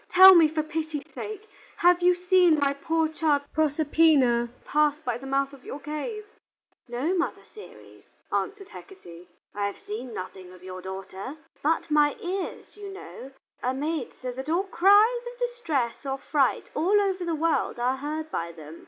Tell me, for pity's sake, have you seen my poor child Proserpina pass by the mouth of your cave?" "No, Mother Ceres," answered Hecate. "I have seen nothing of your daughter. But my ears, you know, are made so that all cries of distress or fright all over the world are heard by them.